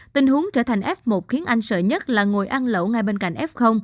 tình huống trở thành f một khiến anh sợ nhất là ngồi ăn lậu ngay bên cạnh f